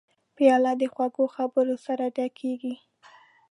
پیاله په خوږو خبرو سره ډکېږي.